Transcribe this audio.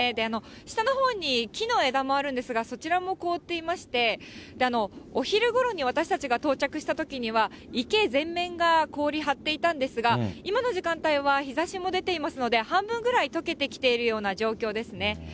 下のほうに木の枝もあるんですが、そちらも凍っていまして、お昼ごろに私たちが到着したときには、池全面が氷張っていたんですが、今の時間帯は日ざしも出ていますので、半分ぐらいとけてきているような状況ですね。